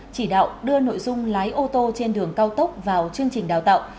chỉ đạo đưa nội dung lái ô tô trên đường cao tốc vào chương trình đào tạo